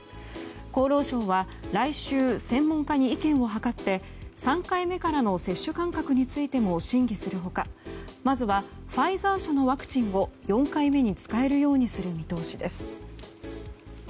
厚労省は来週専門家に意見を諮って３回目からの接種間隔についても審議する他まずはファイザー社のワクチンを４回目に使えるようにする見通しです。